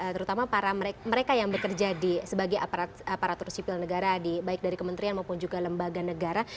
terutama para mereka yang bekerja sebagai aparatur sipil negara baik dari kementerian maupun juga lembaga negara